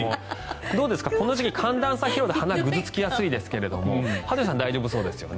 どうですか、この時期寒暖差疲労で鼻がぐずつきやすいですけど羽鳥さん、大丈夫そうですよね。